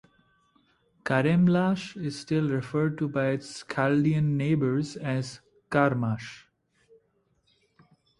Karemlash is still referred to by its Chaldean neighbors as "Karmash".